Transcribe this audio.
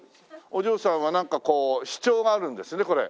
お嬢さんはなんかこう主張があるんですねこれ。